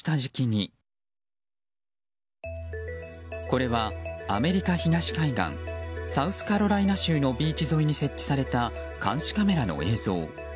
これはアメリカ東海岸サウスカロライナ州のビーチ沿いに設置された監視カメラの映像。